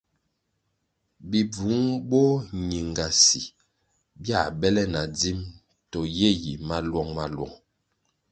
Bibvung boñingasi bia bele na dzim to ye yi maluong-maluong.